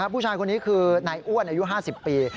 ผู้ชายคนนี้คือนายอ้วนอายุ๕๐ปี